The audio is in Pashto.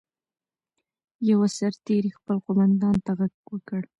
یوه سرتېري خپل قوماندان ته غږ وکړ.